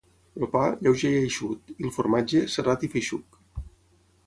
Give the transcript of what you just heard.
El pa, lleuger i eixut, i el formatge, serrat i feixuc.